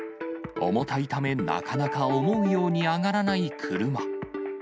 重たいため、なかなか思うように上がらない車。